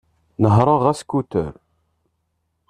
Nehreɣ askutur.